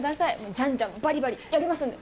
じゃんじゃんバリバリやりますんで！